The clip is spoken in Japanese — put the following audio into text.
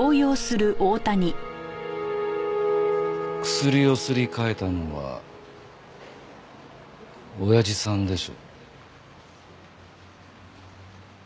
薬をすり替えたのはおやじさんでしょ？